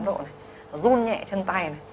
nó run nhẹ chân tay này